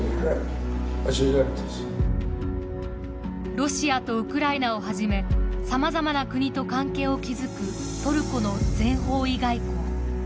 ロシアとウクライナをはじめさまざまな国と関係を築くトルコの全方位外交。